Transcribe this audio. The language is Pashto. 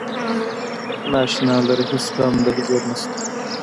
نا اشنا لره هیڅ غم د هجر نشته.